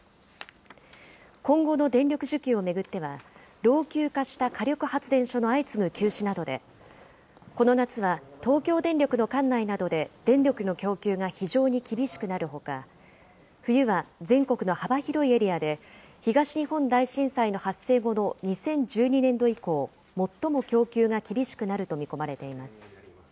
今後の電力需給を巡っては、老朽化した火力発電所の相次ぐ休止などで、この夏は東京電力の管内などで電力の供給が非常に厳しくなるほか、冬は全国の幅広いエリアで、東日本大震災の発生後の２０１２年度以降、最も供給が厳しくなると見込まれています。